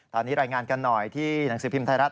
ตอนนี้รายงานกันหน่อยที่หนังสือพิมพ์ไทยรัฐ